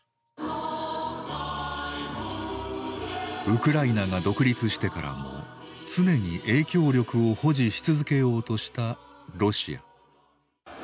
ウクライナが独立してからも常に影響力を保持し続けようとしたロシア。